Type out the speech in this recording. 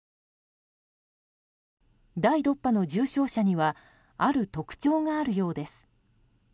第６波の重症者にはある特徴があるようです。